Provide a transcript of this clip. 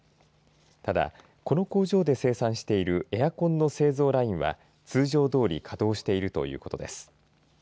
ただ、この工場で生産しているエアコンの製造ラインは通常どおり稼働しているということです。